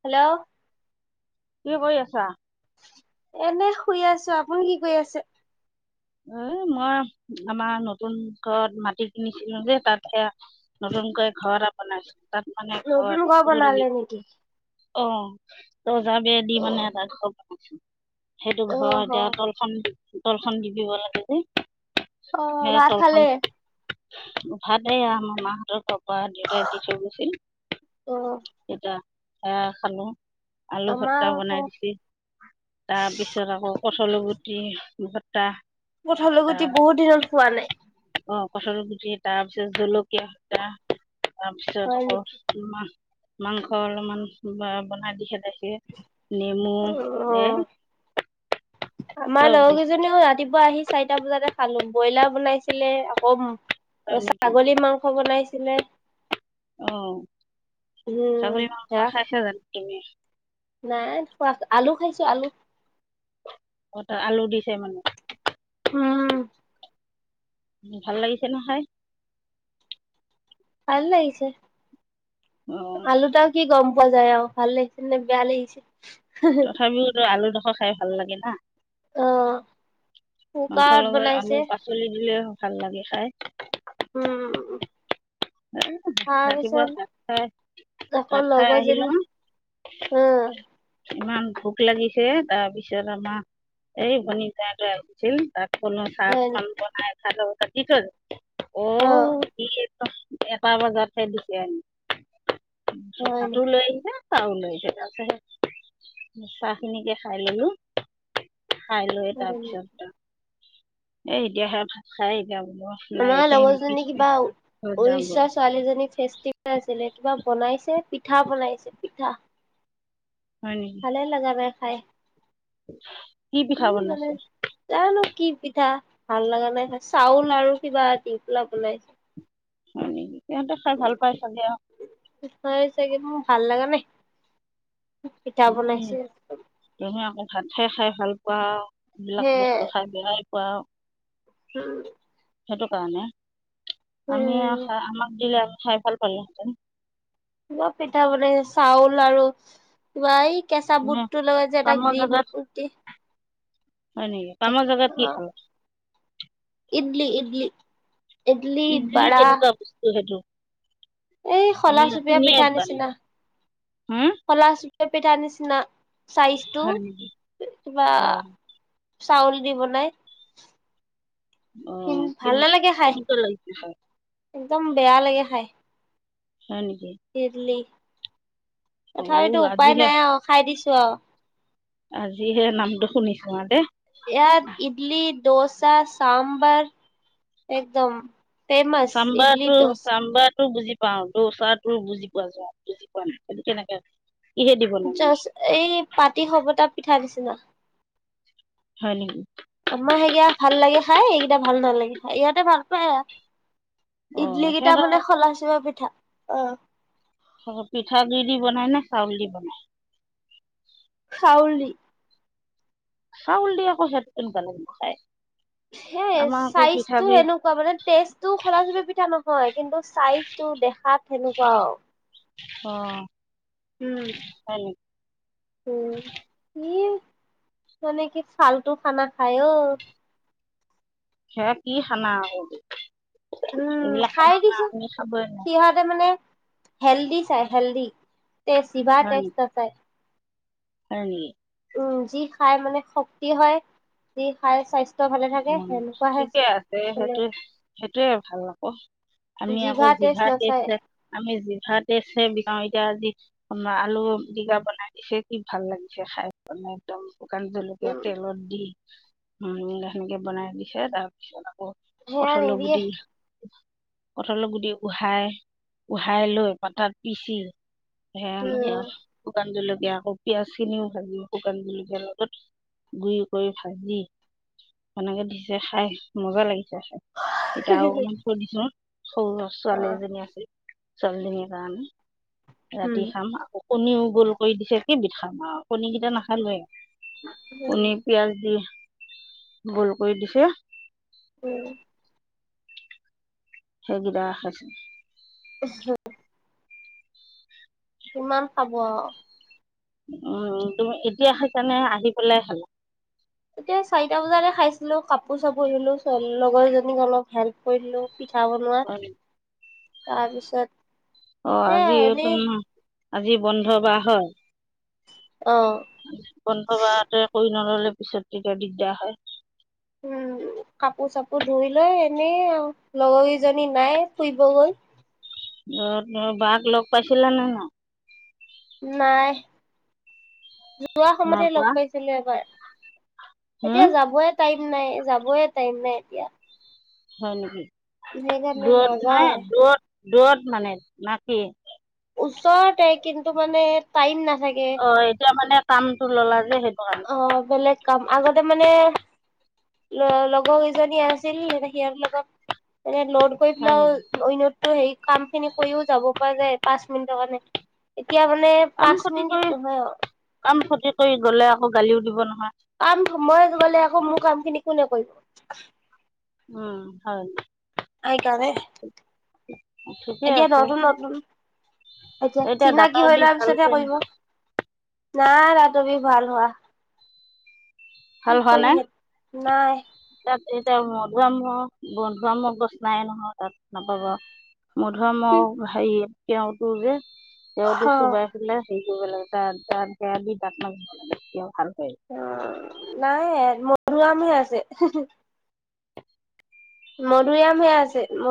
Hello কি কৰি আছা? এনে শুই আছো। আপুনি কি কৰি আছে? এ মই আমাৰ নতুন ঘৰত মাটি কিনিছিলো যে তাতে নতুনকৈ ঘৰ এটা বনাইছ- নতুন ঘৰ বনালে নেকি? অ ত জাৰ বেৰ দি মানে এটা ঘৰ [inaudible] সেইটো অ ঘৰ হ এতিয়া তলখন- তলখন দিব দিব লাগে যে। অ সেয়া ভাত তলখন খালে। ভাত সেয়া আমাৰ মা হতৰ কা দেতাই দি থৈ গৈছিল অ এটায়া। সেয়া খালো আলু আমাৰ খটা আকৌ বনাই দিছে তাৰ পিছত আকৌ কঠল গুটি। আঁহ ', [unintelligible] কঁঠাল গুটি বহুত দিন হল খোৱা নাই। অ', কঁঠাল গুটি তাৰপিছত ধৰি লওক সা হয় তাৰপিছত আকৌ নেকি মাহ মাংস অলপমান বনাই দি খে আমাৰ চব লগৰ দিছে কেইজনীও ৰাতিপুৱা আহি চাৰিটা বজাতে খালো। ব্ৰইলাৰ বনাইছিলে আকৌ অ', হয় নেকি ছাগলী মাংস বনাইছিলে অঁ ছাগলী উম', মাংস হ', খাইছা জানো তুমি নাই খোৱা আলু খাইছো আলু অ ', ত আলু দিছে মানে। উম ভাল লাগিছে ন খাই? ভাল লগিছে। অঁ আলুটাও কি গম পোৱা যায় আৰু ভাল লাগিছিল নে বেয়া লাগিছে। তথাপি তই আলু তকা খাই ভাল লাগে না। অ মাংসৰ কুকাৰত লগত আলু বনাইছে পাচলি দিলে। ভাল লাগে খাই। উম', এ, তাৰ ৰাতিপুৱা ভাত খাই পিছত আকৌ ভাত খাই আহিলোঁ লগৰজনী হম', ইমান ভোক লাগিছে তাৰপিছত আমাৰ এই ভনী জোঁৱাই টো আহিছিল তাত সকলো হয় নেকি? চাহখন বনাই খালো। ইটো [unintelligible] অ', এটা বজাতহে দিছে আনি। চ হয় চাটো নেকি? লৈ আহিছে। ছাহ ও লৈ আহিছে তাতে চাহ খিনিকে খাই ললো। খাই লৈ তাৰ হয় নেকি? পিছত এ এতিয়া সে ভাত চাই আমাৰ লগৰজনী কিবা ঘৰত যাওঁগৈ উৰিষ্যা ছোৱালীজনী ফেষ্টিভেল এটা আছিলে কিবা বনাইছে । পিঠা বনাইছে পিঠা। হয় নেকি ভালে লাগা নাই। হয়। [unintelligible] কি পিঠা বনাইছে? জানো কি পিঠা? ভাল লাগা নাই । চাউল আৰু কিবা এটি। পোলাও বলাইছে। মৰ্ণিং। সেয়াটো খাই ভাল পাই চাগে অ'। [unintelligible] ভাল লাগা নাই। কি পিঠা বনাইছে। ভাত খাই - খাই ভাল পোৱা। এই বিলাক সেয়ে বস্তু খাই বেয়া পাওঁ। উম। সেইটো কাৰণে। আমি উম, আশা- আমাক দিলে হয়, ভাল পালোঁহেতেন। কিবা পিঠা বনায়, চাউল আৰু কিবা এই কেঁচা নে বুটটো লৈ যে এটা কামৰ গ্ৰীণ জেগাত কুৰতি। হয় নেকি? কামৰ জাগাত কি খালা? [unintelligible] ইদ্লি - ইদ্লি । ইদ্লি কেনেকুৱা বস্তু সেইটো? এই শলা আমি চুপীয়া শুনিয়ে পিঠা পোৱা নাই নিচিনা হম । শলা চুপ পিঠা নিচিনা। ছাইজটো হয় । নেকি কিবা অ চাউল দি বনায়। অঁ ভাল কেনে নালাগে খাই। কেনেকুৱা লাগিছে খাই একদম বেয়া লাগে খাই। হয় নেকি ইদ্লি। অ তথাপিতো উপায় আজিহে নাই আৰু খাই দিছ কিয়? আজিহে নামটো শুনিছোঁ আৰু দে । ইয়াত ইডলি দৌচা, চাম্বাৰ, একদম। ফেমাচ ইডলি চাম্বাৰটো, দোচা চাম্বাৰটো বুজি পাওঁ, দৌচাটো বুজি পোৱা যায়। বুজি পোৱা নাই কেনেকে কিহেদি বনাই মানে জাষ্ট এই পাতি-খবতা পিঠা দিছে। না হয় নেকি? আমাৰ সেইকেটা ভাল লাগে খাই, এইকেটা ভাল নালাগে খাই, ইহঁতে ভাল পায় অ আৰু। ইডলিকেইটা মানে সিহঁতৰ খলা-চিপা পিঠা অ'। অ' পিঠাগুৰি দি বনাই নে চাউল দি বনাই? চাউল দি, চাউল দি আকৌ, সেতো কেনেকুৱা লাগিব খাই? সেই আমাৰ আকৌ চাইজটো পিঠাগুৰি সেনেকুৱা মানে, টেষ্টো খলা-চাপৰি পিঠা নহয়। হয়, কিন্তু চাইজটো দেখাত সেনেকোৱা আৰু, অ'। উম, হয় নেকি উম, ইয়ে। মানে কি ফাল্টু খানা খায় অ'! সেয়া কি খানা আকৌ? উম। এইবিলাক খানা খাই দিছো। আমি খাবই নোৱাৰো সিহঁতে মানে হেল্দি চায়, হেল্দি। তে, জিভা হয় টেষ্ট নেকি নাচায়। হয় নেকি? উম, যি খাই মানে শক্তি হয়। যি খায় স্বাস্থ্য ভালে থাকে উম। সেনেকুৱাহে ঠিকে আছে। মানে সেইটো-সেইটোয়ে ভাল ন [unintelligible] আমি আকৌ টেষ্ট জিভা নাচায় টেষ্টহে, আমি জিভা টেষ্টহে বিছ এতিয়া আজি আলুপিটিকা বনাই দিছে, কি ভাল লাগিছে খাই, মানে একদম! শুকান জলকীয়া উম তেলত দি হুম [unintelligible] সেনেকে বনাই দিছে, তাৰপিছত সেয়া কঁঠালৰ নিদিয়ে গুটি কঁঠালৰ গুটি, উহাই, উহাই লৈ পাতাত পিচি সেয়া এনেকে উম আৰু। শুকান জলকীয়া এতিয়া আকৌ পিয়াঁজখিনিও ভাজি, শুকান জলকীয়াৰ লগত গুৰি কৰি ভাজি সেনেকে দিছে খাই মজা লাগি, এতিয়া আৰু অকনমান থৈ দিছো। সৰু অ ছোৱালী এজনী আছিল। ছোৱালী জনীৰ কাৰণে উম ৰাতি খাম আকৌ কণীও গোল কৰি দিছে কিবিধ খাম আৰু কণী কেইটা নাখালোয়ে। উম পনীৰ পিয়াজ দিয়ে। ভুল কৰি দিছে। উম', সেই গেটা খাইছে। [unintelligible] কিমান খাব আৰু, উম ', তুমি এতিয়া খাইছানে আহি পেলাই খালা? এতিয়া চাৰিটা বজাতে খাইছিলো কাপোৰ চাপোৰ ধুলো ছোৱালী লগৰজনীক অলপ হেল্প কৰি দিলোঁ। পিঠা বনোৱা। তাৰপিছত অ', সেয়া আজিটো এনেই ন আজি বন্ধ বাৰ হয়। [inaudible] বন্ধ বাৰতে কৰি নললে পিছত তেতিয়া তেওঁৰ দিগদাৰ হয়। উম ', কাপোৰ চাপোৰ ধুই লৈ এনে আৰু লগৰ কেইজনী নাই ফুৰিব গল। অ তহঁতৰ বাঘ লগ পাইছিলা নে নাই? নাই। যোৱা নাই সময়তে লগ পোৱা পাইছিলে এবাৰ। এতিয়া হম যাবয়ে তাইপ ম নাই যাবই টাইম নাই এতিয়া। হয় ', নেকি? সেইকাৰণে দূৰত নাই নাযাওৱে দূৰত দূৰত মানে নাকি? ওচৰতে কিন্তু মানে টাইম না অ ', এতিয়া মানে কামতটো ললা। বোলে হেত অ', বলে কাম আগতে মানে ল- লগৰ কেইজনী আছিল সিহঁতৰ লগত এনে ল কৰি হয় পেলাইও নেকি হেৰি অন্যটো হেৰি কাম খিনি কৰিও যাব পাৰে পাঁচ মিনিটৰ কাৰণে। এতিয়া মানে কাম পাঁচ খতি মিনিট কৰি নহয় অ কাম খতি কৰি গলে আকৌ কালিও দিব নহয়। কাম মই গলে আকৌ মোৰ কাম খিনি কোনে কৰিব? উম হয়। সেই কানে ঠিকে এতিয়া আছে নতুন নতুন, এতিয়া চিনাকি দাঁতৰ হৈ বিষ লোৱাৰ ভাল পিছতহে হৈছে কৰিব। নাই দাতৰ বিষ ভাল হোৱা। ভাল কি হোৱা কৰিম নাই হে, নাই। তাত এতিয়া মধুুআম মধুআমৰ গছ নাই নহয় তাত নাপাব। মধু আমৰ হেৰি তিয়হ তো যে তিয়তো অ চুবাই পেলে সি [unintelligible] অ। নাই মধুৰী আমহে আছে। মধুৰিআম হে আছে ম [unintelligible]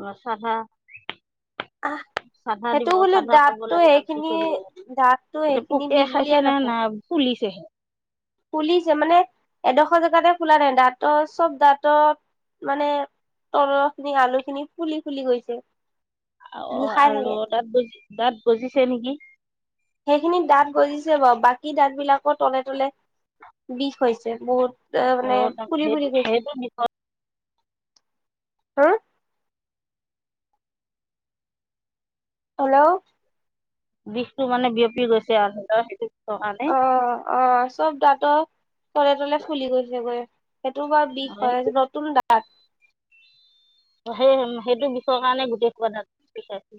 মছালা আহ সেইটো হলে খাব দাঁতটো লাগে তাত দি সেইখিনি থৈ দিব লাগে দাঁতটো এতিয়া সেইখিনি পোকে বিষ খাইছে বুলিয়ে না না নহয়। [unintelligible] ফুলিছে মানে এডোখৰ জেগাতে ফুলা নাই দাঁতৰ চব দাঁতৰ মানে তলৰ খিনি আলু খিনি ফুলি ফুলি গৈছে। অ বিষাই থাকে আলুঅ তাত বজ দাতঁ গজিছে নেকি? সেইখিনিত দাঁত গজিছে বাৰু বাকী দাঁত বিলাকৰ তলে তলে বিষ হৈছে বহুত। এ অ মানে ফুলি সেই ফুলি গৈছে। সেইটো বিষত হা? হেল্ল'। বিষটো মানে বিয়পি গৈছে আৰু বিষৰ কাৰণে অ অ চব দাঁতৰ তলে তলে ফুলি গৈছে গৈ। সেইটো বাৰু বিষ হয় নতুন দাঁত। সেই সেইটো বিষৰ কাৰণে গোটেই সোপা দাঁত বিষাইছে।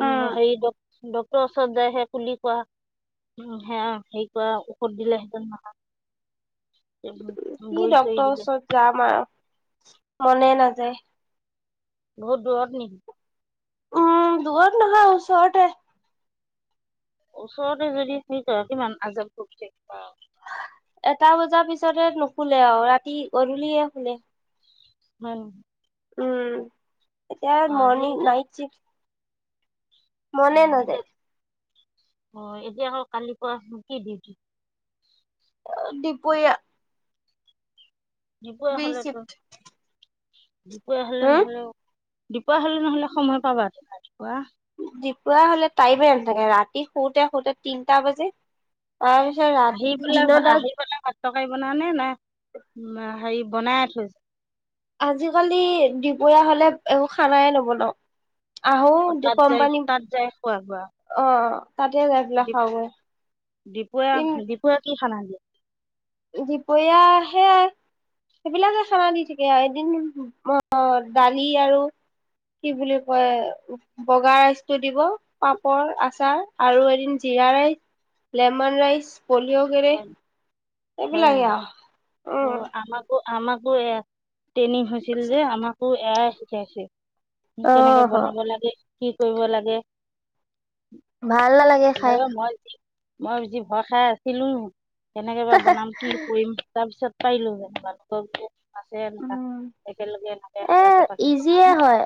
উম হেৰি ডক-ডক ৰ ওচৰত যায় হে কুলি কৰা উ হেয়া হেৰি কৰা ঔষধ দিলে হেতেন নহয়। কি ডক্টৰৰ ওচৰত যাম আৰু। মনে নাযায়। বহুত দূৰত নেকি? উম দূৰত নহয় ওচৰতে। ওচৰতে যদি হেই কৰে কিমান আজৱ খুলিলে বা এটা বজাৰ পিছতে হে নোখোলে আৰু ৰাতি গধূলিহে খোলে। হম উম এতিয়া আজি মৰ্ণিং এতিয়া নাইট চিফ্ট। অ মনে এতিয়া নাযায়। অ এতিয়া আ কালি পুৱা মুকে দিউতি। অ দুপৰীয়া দিবই বি হলেতো চিফ্ট দুপয়ীৱা হলে হম নহ'লেও দুপৰীয়া হ'লে নহ'লে সময় পাবা ৰাতিপুৱা ৰাতিপুৱা দুপুয়ীৱা হলে টাইমে নাথাকে ৰাতি শুতে শুতে তিনটা বাজে। তাৰপিছত আহি ৰাত পেলাই দিনত আহি তাত। পেলাই ভাত তৰকাৰী বনাও নে? নে হেৰি বনাইয়ে থৈছ আজিকালি দুপৰীয়া হলে একো খানাই নবনাও। আহো তাত যাই কোম্পানী তাত যাই খোৱা বোৱা অ তাতে যাই পেলাই খাওগে হয় দীপুৱে দীপুৱে কি খানা দিয়ে? দুপৰীয়া সেয়াই সেইবিলাকে খানা দি থাকে এদিন অহ দালি আৰু কি বুলি কয় বগা ৰাইচটো দিব পাপৰ আচাৰ আৰু এদিন জিৰা ৰাইচ, লেমন ৰাইচ- পলিঅ' গেৰে হয় হয় এইবিলাকে নেকি আও অঁ আমাকো আমাকো এয়াই ট্ৰেইনিং হৈছিল যে আমাক ত এয়াই শিকাইছে কেনেকে বনাব অহ লাগে। কি কৰিব লাগে ভাল নালাগে এ, খাই মই মই বেছি ভয় খাই। ছিলো কেনেকে বা বনাম কি কৰিম তাৰ পিছত পাইলো ৱাৰ্ড অফ দেত আছে এনকা উম একেলগে এনেকে এ হেতা পেতাকে বনাং। ইজিয়ে হয়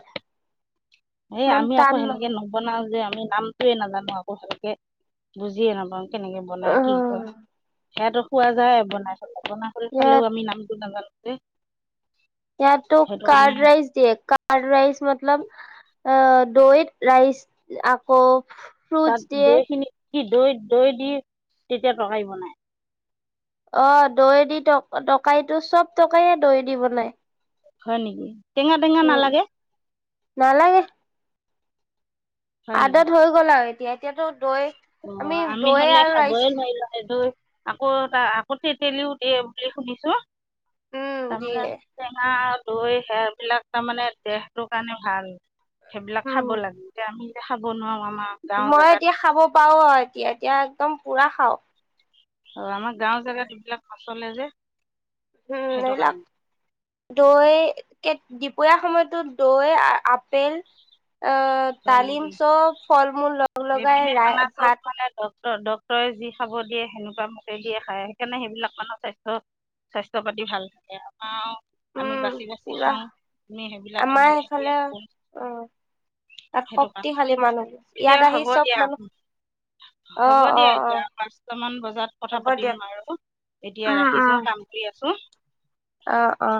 এই ইমান আমি আকৌ টান সেনেকে নহয় নবনাও যে, আমি নামটোৱে নাজানোঁ। আকৌ ভালকে বুজিয়ে নাপাওঁ। কেনেকে বনায়, কি অ'। সেইয়াতো খোৱা যায় বনাই। বনা [unintelligible] থলেও আমি নামটো নাজানো। এ এইয়াততো কাৰ্ড ৰাইচ দিয়ে । কাৰ্ড ৰাইচ মতলব অ' দৈত ৰাইচ । আকৌ ফ্ৰুটছ তাত দিয়ে দৈখিনি কি দৈত- দৈ দি তেতিয়া তৰকাৰী বনায়? অ' দৈ দি ত- তৰকাৰীটো- চব তৰকাৰীয়ে দৈ দি বনায়। হয় নেকি? টেঙা - টেঙা নালাগে? নালাগে। হয় নেকি আদত হৈ গ'ল আৰু এ তিয়া - এতিয়াতো দৈ অ' আমি দৈ হলে আৰু ৰাইচ খাবই নোৱাৰিলোঁ সেইটো আকৌ তা- আকৌ তেতেলীও দিয়ে বুলি শুনিছোঁ? উম তাৰমানে দিয়ে হৈছে আমাৰ দৈ সেয়াবিলাক তাৰমানে দেহটোৰ কাৰণে ভাল। সেইবিলাক খাব উম লাগে । এতিয়া আমি খাব নোৱাৰোঁ আম মই এতিয়া খাব পাওঁ আৰু এতিয়া - এতিয়া একদম পুৰা খাওঁ। আৰু আমাৰ গাঁও জেগাত এইবিলাক নচলে যে। উম, সেইটো এইবিলাক কাৰণে দৈ কে- দিপৰীয়া সময়তো দৈ, আপেল অ' হয় ডালিম নেকি চব ফলমূল লগ লগাই এইপিনে ৰাই- খানা চব ভাত মানে ডক্তৰে যি খাব দিয়ে, সেনেকুৱা মোকে দিয়ে খায়। সেইকাৰণে সেইবিলাক মানুহ স্বাস্থ্য- স্বাস্থ্য-পাতি ভাল থাকে । আমাৰ আও আমি উম বাচি-বাচি পুৰা খাওঁ । আমি সেইবিলাক আমাৰ ইমান খেতিয়ে সেইফালে নকৰোঁ। অ তাত সেইটোকে। শক্তিশালী মানুহ ইয়াত এতিয়া আহি হব চব দিয়া। মানুহ অ হ'ব অ দিয়া অ এতিয়া। পাঁচটামান বজাত কথা হ'ব পাতিম দিয়ক বাৰু । এতিয়া উম ৰাখিছোঁ উম । কাম কৰি আছোঁ। ও অ'- অ'।